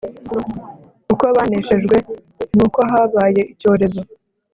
uko baneshejwe n'uko habaye icyorezo